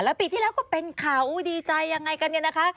แล้วปีที่แล้วก็เป็นข่าวดีใจยังไงกันเนี่ยนะคะ